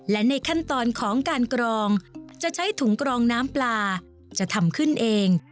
และในขั้นตอนของการกรองจะใช้ถุงกรองน้ำปลาจะทำขึ้นเอง